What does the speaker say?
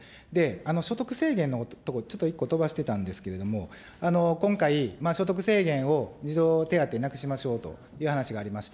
所得制限のところ、ちょっと１個飛ばしてたんですけど、今回、所得制限を、児童手当なくしましょうという話がありました。